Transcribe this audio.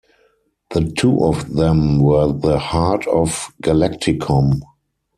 The two of them were the heart of Galacticomm.